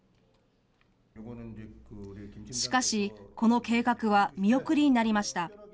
しかし、この計画は見送りになりました。